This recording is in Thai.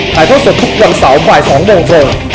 ถ่ายท่อสดทุกวันเสาร์บ่าย๒โมงตรง